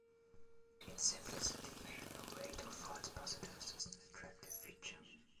Its simplicity and low rate of false positives is an attractive feature.